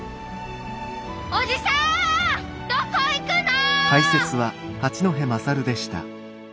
おじさんどこ行くの！？